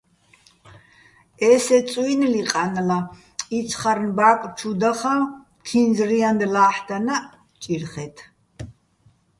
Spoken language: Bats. ესე წუ́ჲნლი ყანლა, იცხარნ ბა́კ ჩუ დახაჼ, ქინძ-რიანდ ლა́ჰ̦დანაჸ ჭირხე́თ.